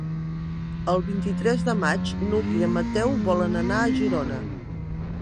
El vint-i-tres de maig n'Hug i en Mateu volen anar a Girona.